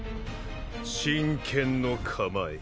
信剣の構え。